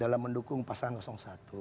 dalam mendukung pasangan satu